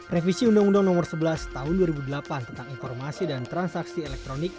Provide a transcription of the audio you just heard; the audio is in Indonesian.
revisi undang undang nomor sebelas tahun dua ribu delapan tentang informasi dan transaksi elektronik